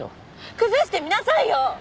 崩してみなさいよ！